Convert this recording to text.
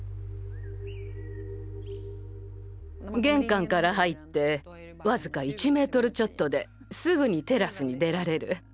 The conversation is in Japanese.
玄関から入って僅か１ｍちょっとですぐにテラスに出られる。